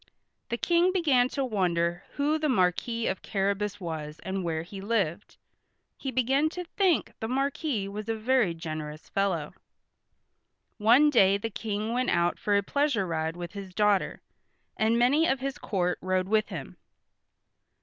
The King began to wonder who the Marquis of Carrabas was and where he lived. He began to think the Marquis was a very generous fellow. One day the King went out for a pleasure ride with his daughter, and many of his court rode with him.